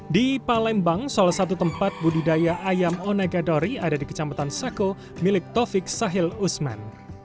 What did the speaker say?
di palembang salah satu tempat budidaya ayam onagadori ada di kecamatan sako milik taufik sahil usman